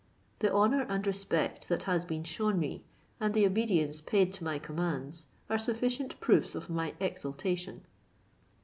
The honour and respect that has been strewn me, and the obedience paid to my commands, are sufficient proofs of my exaltation."